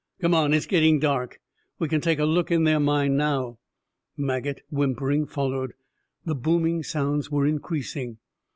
"Come on, it's gettin' dark. We can take a look in their mine now." Maget, whimpering, followed. The booming sounds were increasing.